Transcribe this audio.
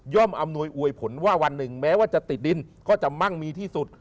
อำนวยอวยผลว่าวันหนึ่งแม้ว่าจะติดดินก็จะมั่งมีที่สุด